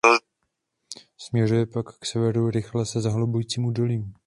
Směřuje pak k severu rychle se zahlubujícím údolím.